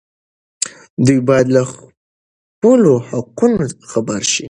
دوی باید له خپلو حقونو خبر شي.